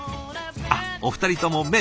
あっお二人とも麺。